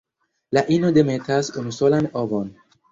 La ino demetas unusolan ovon.